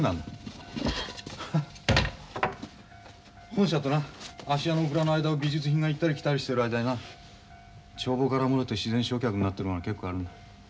本社とな芦屋のお蔵の間を美術品が行ったり来たりしてる間にな帳簿から漏れて自然償却になってるものが結構あるんだ。